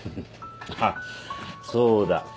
あっそうだ